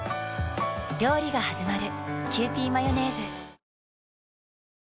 料理がはじまる。